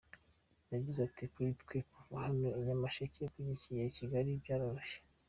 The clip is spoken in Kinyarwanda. Yagize ati“Kuri twe kuva hano i Nyamasheke ujya i Kigali byaroroshye.